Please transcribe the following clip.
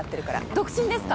独身ですか？